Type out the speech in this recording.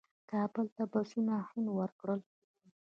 کابل ته بسونه هند ورکړل.